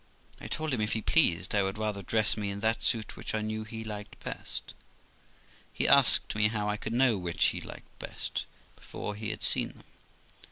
I told him, If he pleased, I would rather dress me in that suit which I knew he liked best. He asked me how I could know which he would like best before he had seen them.